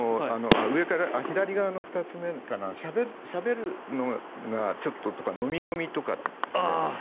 左側の２つ目しゃべるのがちょっととか飲み込みとかですね。